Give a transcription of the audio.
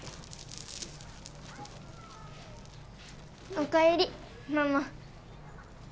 おかえりママ。